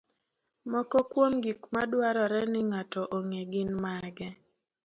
Moko kuom gik madwarore ni ng'ato ong'e gin mage?